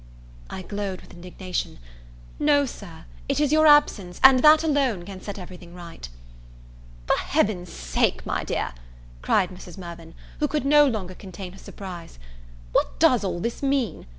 I glowed with indignation. "No, Sir it is your absence, and that alone, can set everything right." "For Heaven's sake, my dear," cried Mrs. Mirvan, who could no longer contain her surprise, "what does all this mean?